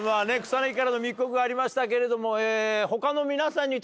草薙からの密告がありましたけれども。